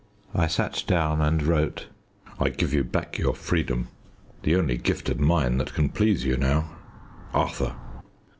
I sat down and wrote "I give you back your freedom. The only gift of mine that can please you now. "ARTHUR."